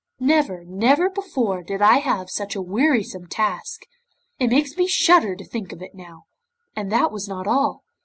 Never, never before, did I have such a wearisome task! It makes me shudder to think of it now, and that was not all.